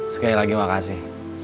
sekali lagi makasih